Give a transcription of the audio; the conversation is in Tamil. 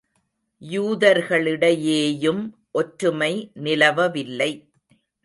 யூதர்களிடையேயும் ஒற்றுமை நிலவவில்லை.